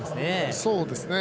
そうですね。